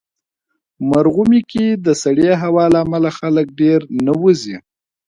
مرغومی کې د سړې هوا له امله خلک ډېر نه وځي.